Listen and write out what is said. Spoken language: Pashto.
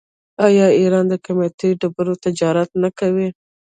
آیا ایران د قیمتي ډبرو تجارت نه کوي؟